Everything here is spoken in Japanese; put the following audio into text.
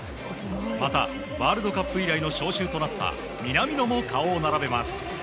またワールドカップ以来の招集となった南野も顔を並べます。